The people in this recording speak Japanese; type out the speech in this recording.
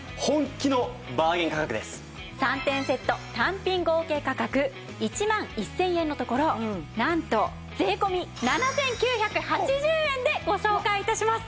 ３点セット単品合計価格１万１０００円のところなんと税込７９８０円でご紹介致します！